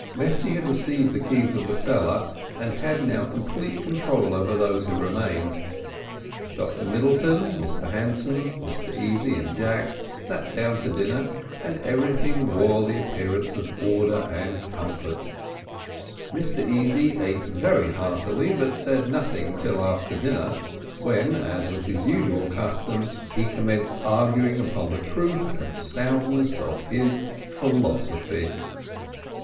Mesty had received the keys of the cellar, and had now complete control over those who remained. Dr Middleton, Mr Hanson, Mr Easy, and Jack, sat down to dinner, and everything wore the appearance of order and comfort. Mr Easy ate very heartily, but said nothing till after dinner, when, as was his usual custom, he commenced arguing upon the truth and soundness of his philosophy.